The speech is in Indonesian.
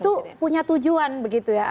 itu punya tujuan begitu ya